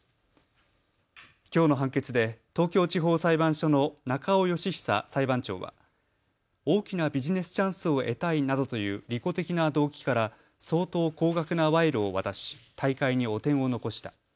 きょうの判決で東京地方裁判所の中尾佳久裁判長は大きなビジネスチャンスを得たいなどという利己的な動機から相当高額な賄賂を渡し大会に汚点を残した。